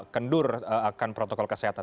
kendur akan protokol kesehatan